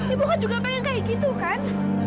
ibu kan juga pengen kayak gitu kan